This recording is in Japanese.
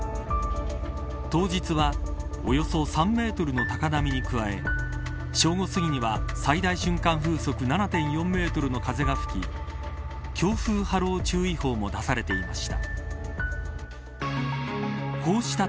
当日はおよそ３メートルの高波に加え正午すぎには、最大瞬間風速７．４メートルの風が吹き強風波浪注意報も出されていました。